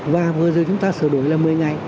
và vừa rồi chúng ta sửa đổi là một mươi ngày